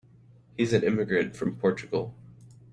He's an immigrant from Portugal.